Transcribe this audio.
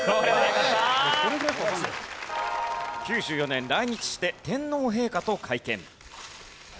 ９４年来日して天皇陛下と会見。